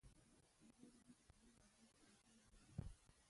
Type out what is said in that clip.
مېلې د خلکو تر منځ د ګډو خاطرو ځای دئ.